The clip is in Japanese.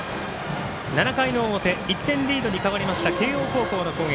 ７回の表１点リードに変わりました慶応高校の攻撃。